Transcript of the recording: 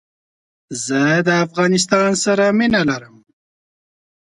زه دافغانستان سره مينه لرم